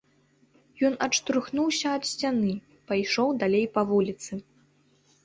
Ён адштурхнуўся ад сцяны, пайшоў далей па вуліцы.